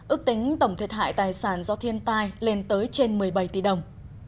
ước tính tổng thiệt hại tài sản do thiên tai lên tới trên một mươi bảy tỷ đồng